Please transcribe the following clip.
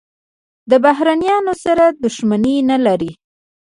له بهرنیانو سره دښمني نه لري.